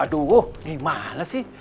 aduh nih mana sih